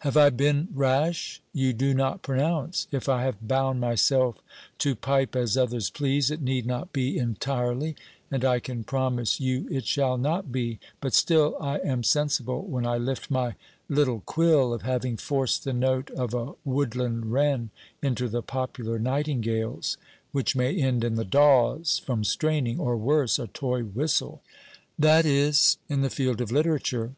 Have I been rash? You do not pronounce. If I have bound myself to pipe as others please, it need not be entirely; and I can promise you it shall not be; but still I am sensible when I lift my "little quill" of having forced the note of a woodland wren into the popular nightingale's which may end in the daw's, from straining; or worse, a toy whistle. 'That is, in the field of literature.